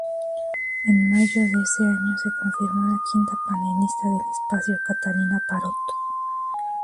En mayo de ese año se confirmó la quinta panelista del espacio, Catalina Parot.